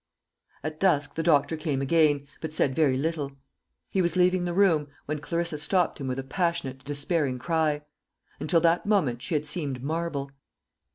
At dusk the doctor came again, but said very little. He was leaving the room, when Clarissa stopped him with a passionate despairing cry. Until that moment she had seemed marble.